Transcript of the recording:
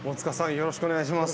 よろしくお願いします。